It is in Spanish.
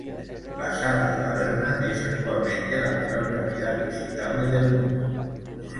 La Sala de la Verna es actualmente la mayor cavidad visitable del mundo.